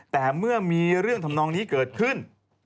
แต่เมื่อมีเรื่องทำนองนี้เกิดขึ้น